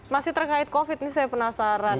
masih terkait covid nih saya penasaran